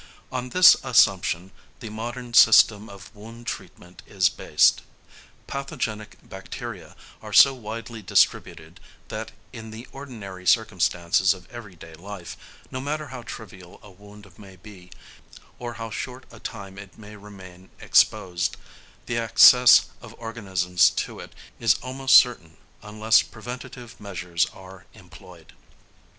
On this assumption the modern system of wound treatment is based. Pathogenic bacteria are so widely distributed, that in the ordinary circumstances of everyday life, no matter how trivial a wound may be, or how short a time it may remain exposed, the access of organisms to it is almost certain unless preventive measures are employed.